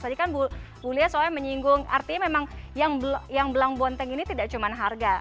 tadi kan bulia soalnya menyinggung artinya memang yang belang bonteng ini tidak cuma harga